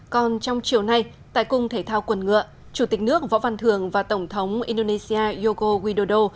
còn trong chiều nay tại cung thể thao quần ngựa chủ tịch nước võ văn thường và tổng thống indonesia yogo widodo